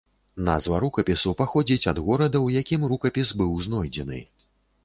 Назва рукапісу паходзіць ад горада, у якім рукапіс быў знойдзены.